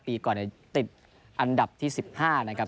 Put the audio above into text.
ปีก่อนติดอันดับที่๑๕นะครับ